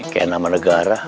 kayak nama negara